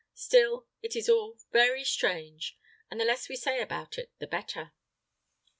Still, it is all very strange, and the less we say about it the better."